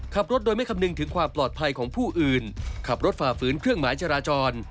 ขับรถโดยไม่คำนึงถึงความปลอดภัยของผู้อื่นขับรถฝ่าฝืนเครื่องหมายจราจร